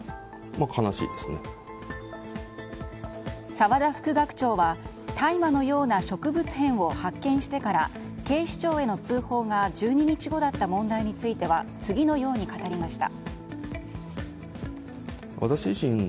沢田副学長は大麻のような植物片を発見してから警視庁への通報が１２日後だった問題については次のように語りました。